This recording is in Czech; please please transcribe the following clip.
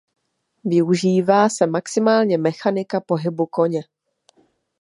Využívá se maximálně mechanika pohybu koně.